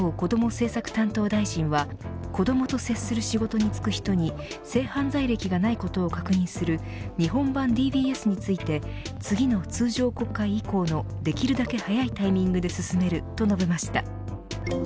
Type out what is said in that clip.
政策担当大臣は子どもと接する仕事に就く人に性犯罪歴がないことを確認する日本版ＤＢＳについて次の通常国会以降の、できるだけ早いタイミングで進めると述べました。